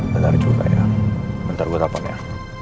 bentar juga ya bentar gue dapat ya